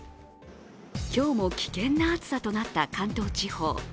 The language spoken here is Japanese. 今日も危険な暑さとなった関東地方。